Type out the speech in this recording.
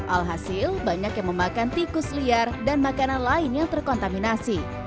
alhasil banyak yang memakan tikus liar dan makanan lain yang terkontaminasi